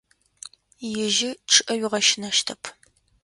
Ижьы чъыIэ уигъэщынэщтэп.